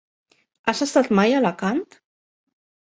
Has estat mai a Alacant?